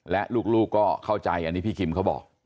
และลูกก็เข้าใจอันนี้พี่คิมเขาบอก